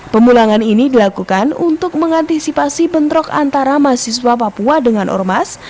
pemulangan ini dilakukan untuk mengantisipasi bentrok antara mahasiswa papua dengan ormas